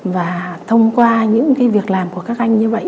và thông qua những việc làm của các anh như vậy